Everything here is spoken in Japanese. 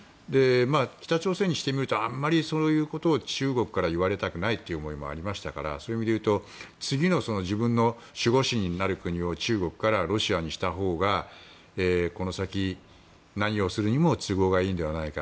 北朝鮮にしてみるとあまりそういうことを中国から言われたくないという思いもありましたからそういう意味で言うと次の自分の守護神になる国を中国からロシアにしたほうがこの先、何をするにも都合がいいのではないか。